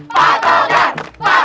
pak jaya pak jaya